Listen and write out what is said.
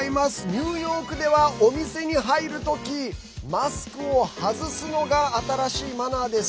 ニューヨークでは、お店に入る時マスクを外すのが新しいマナーです。